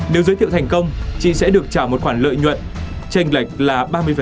nếu giới thiệu thành công chị sẽ được trả một khoản lợi nhuận tranh lệch là ba mươi